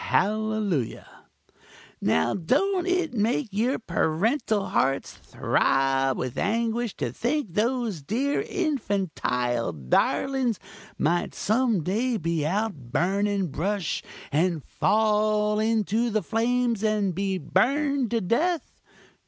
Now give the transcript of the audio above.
hallelujah!) Now don't it make your parental hearts throb with anguish to think those dear infantile darlings might some day be out burning brush and fall into the flames and be burned to death!